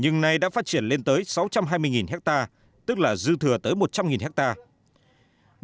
nhưng nay đã phát triển lên tới sáu trăm hai mươi hectare tức là dư thừa tới một trăm linh hectare